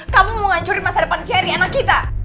kamu menghancurin masa depan cherry anak kita